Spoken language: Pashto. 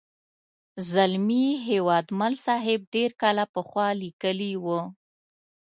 زلمي هیوادمل صاحب ډېر کاله پخوا لیکلې وه.